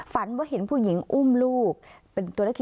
ฝันว่าเห็นผู้หญิงอุ้มลูกเป็นตัวเลข๗